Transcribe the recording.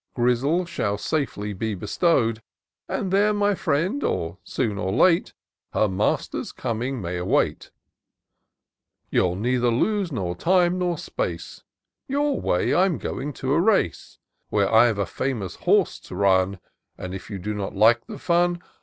Grizzle shall safely be bestow'd ; And there, my friend, or soon or late. Her master's coming may await : You'll neither lose nor time nor space; Your way I'm going to a race. Where I've a famous horse to run : And if you do not like the fun.